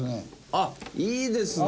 あっいいですね。